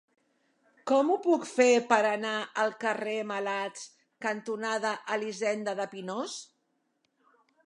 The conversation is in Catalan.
Com ho puc fer per anar al carrer Malats cantonada Elisenda de Pinós?